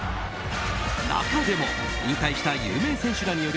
中でも引退した有名選手らによる